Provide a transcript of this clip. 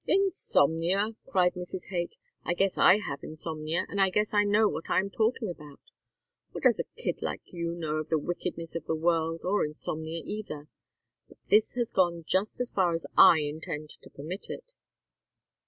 "Insomnia!" cried Mrs. Haight. "I guess I have insomnia and I guess I know what I am talking about. What does a kid like you know of the wickedness of the world, or insomnia either? But this has gone just as far as I intend to permit it."